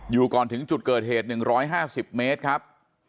อยู่ก่อนถึงจุดเกิดเหตุ๑๕๐เมตรครับ